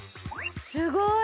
すごい！